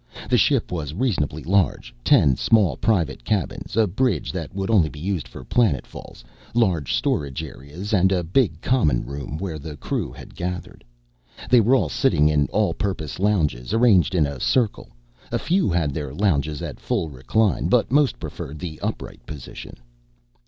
The ship was reasonably large ten small private cabins, a bridge that would only be used for planetfalls, large storage areas, and a big common room, where the crew had gathered. They were sitting in All Purpose Lounges, arranged in a circle. A few had their Lounges at full recline, but most preferred the upright position.